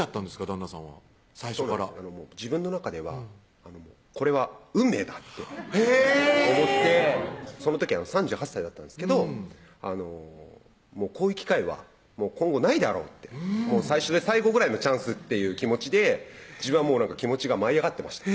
旦那さんは自分の中ではこれは運命だって思ってその時３８歳だったんですけどこういう機会は今後ないだろうって最初で最後ぐらいのチャンスっていう気持ちで自分は気持ちが舞い上がってました